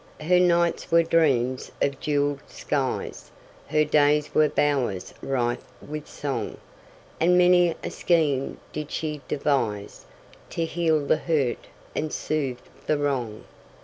Her nights were dreams of jeweled skies, Her days were bowers rife with song, And many a scheme did she deviseTo heal the hurt and soothe the wrong.